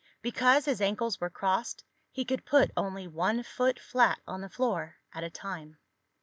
Because his ankles were crossed he could put only one foot flat on the floor at a time.